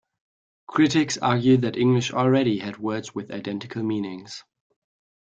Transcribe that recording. Critics argued that English already had words with identical meanings.